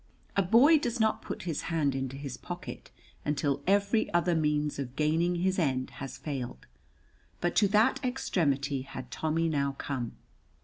A boy does not put his hand into his pocket until every other means of gaining his end has failed, but to that extremity had Tommy now come.